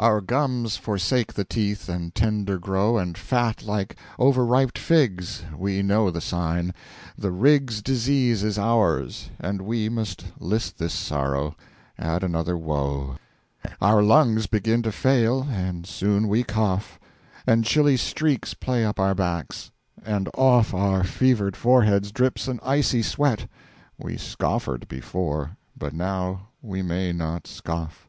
Our Gums forsake the Teeth and tender grow, And fat, like over riped Figs we know The Sign the Riggs' Disease is ours, and we Must list this Sorrow, add another Woe; Our Lungs begin to fail and soon we Cough, And chilly Streaks play up our Backs, and off Our fever'd Foreheads drips an icy Sweat We scoffered before, but now we may not scoff.